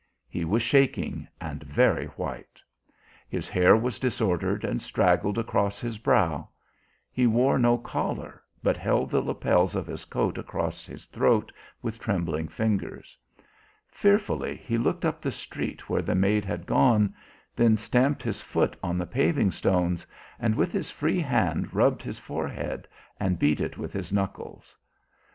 He was shaking and very white; his hair was disordered and straggled across his brow. He wore no collar, but held the lapels of his coat across his throat with trembling fingers. Fearfully he looked up the street where the maid had gone, then stamped his foot on the paving stones and with his free hand rubbed his forehead and beat it with his knuckles.